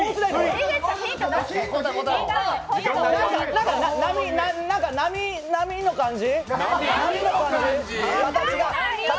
何か、何か波の感じ？